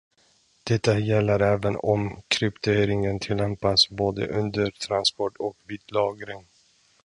Detta gäller även om kryptering tillämpas både under transport och vid lagring.